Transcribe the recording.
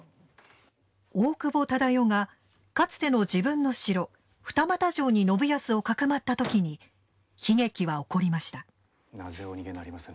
大久保忠世がかつての自分の城、二俣城に信康をかくまったときに悲劇は起こりました。